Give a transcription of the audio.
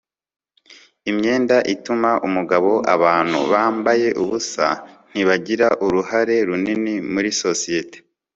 imyenda ituma umugabo. abantu bambaye ubusa ntibagira uruhare runini muri societe